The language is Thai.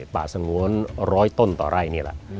ป่าสงวน๑๐๐ต้นต่อไร่นี่ล่ะ